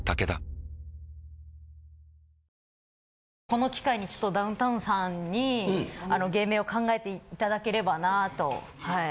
この機会にちょっとダウンタウンさんに芸名を考えて頂ければなとはい。